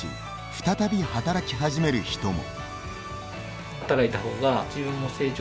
再び働き始める人も。